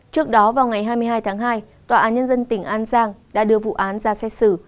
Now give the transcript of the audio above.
trước đó vào ngày hai mươi hai tháng hai tòa án nhân dân tỉnh an giang đã đưa vụ án ra xét xử